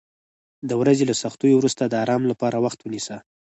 د ورځې له سختیو وروسته د آرام لپاره وخت ونیسه.